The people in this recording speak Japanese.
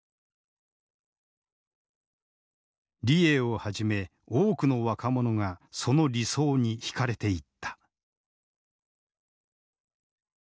李鋭をはじめ多くの若者がその理想に引かれていった。